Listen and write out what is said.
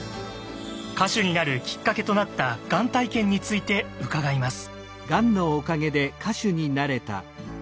歌手になるきっかけとなったがん体験について伺います。